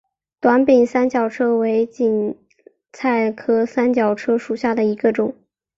短柄三角车为堇菜科三角车属下的一个种。